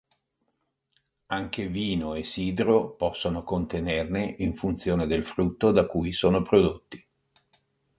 Anche vino e sidro possono contenerne in funzione del frutto da cui sono prodotti.